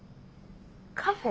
カフェ？